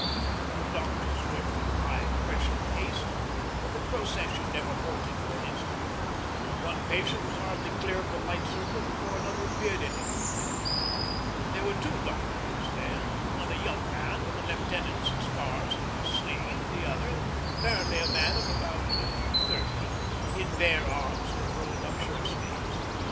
The doctors worked in a high pressure of haste, but the procession never halted for an instant; one patient was hardly clear of the light circle before another appeared in it. There were two doctors there one a young man with a lieutenant's stars on his sleeve; the other, apparently a man of about thirty, in bare arms with rolled up shirt sleeves.